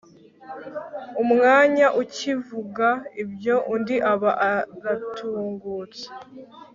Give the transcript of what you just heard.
umwanya akivuga ibyo, undi aba aratungutse